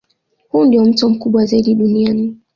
Huu ndio mto mkubwa zaidi duniani